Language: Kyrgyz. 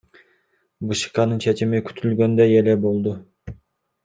БШКнын чечими күтүлгөндөй эле болду.